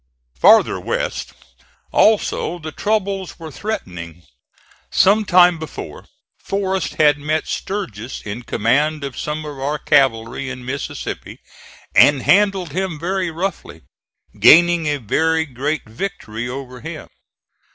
Farther west also the troubles were threatening. Some time before, Forrest had met Sturgis in command of some of our cavalry in Mississippi and handled him very roughly, gaining a very great victory over him.